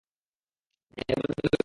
এবার জমে উঠেছে।